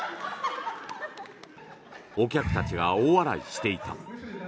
お客たちが大笑いしていた。